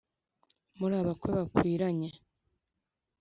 Muri abakwe bakwiranye